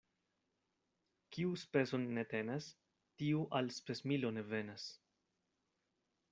Kiu speson ne tenas, tiu al spesmilo ne venas.